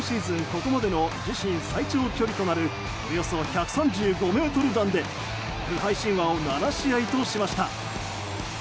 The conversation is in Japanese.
ここまでの自身最長距離となるおよそ１３５ｍ弾で不敗神話を７試合としました。